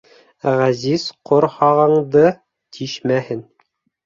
Ғәзиз ҡорһағыңды тишмәһен!